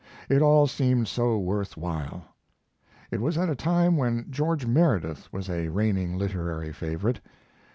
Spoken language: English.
It all seemed so worth while. It was at a time when George Meredith was a reigning literary favorite.